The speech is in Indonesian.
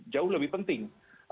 jauh lebih penting